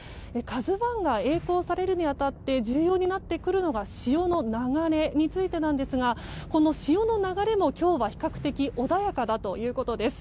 「ＫＡＺＵ１」が曳航されるに当たって重要になってくるのが潮の流れについてですがこの潮の流れも今日は比較的穏やかだということです。